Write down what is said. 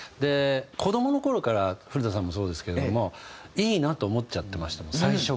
子どもの頃から古田さんもそうですけれどもいいなと思っちゃってました最初から。